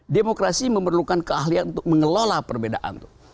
demokrasi memerlukan keahlian untuk mengelola perbedaan